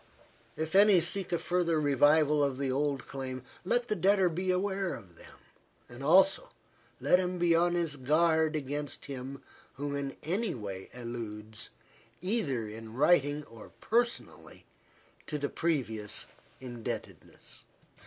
If any seek a further revival of the old claim, let the debtor be aware of them; and also, let him be on his guard against him who in any way alludes, either in writing or personally, to the previous indebtedness.